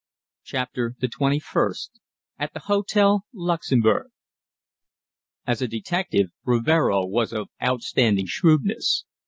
CHAPTER THE TWENTY FIRST AT THE HÔTEL LUXEMBOURG As a detective Rivero was of outstanding shrewdness.